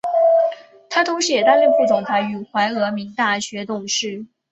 他同时也担任副总裁与怀俄明大学董事。